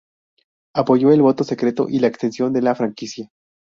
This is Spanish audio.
Apoyó el voto secreto y la extensión de la franquicia.